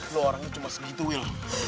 lo orangnya cuma segitu will